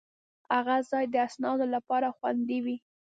هغه ځای د اسنادو لپاره خوندي و.